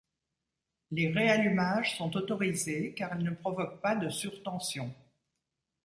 Les réallumages sont autorisés car ils ne provoquent pas de surtensions.